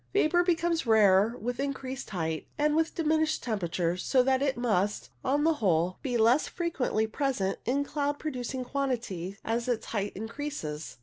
Vapour becomes rarer with increased height and with diminished temperature, so that it must, on the whole, be less frequently present in cloud producing quantity as the height increases.